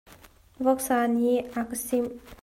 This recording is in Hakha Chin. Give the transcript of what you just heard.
Voksa nih a ka simh.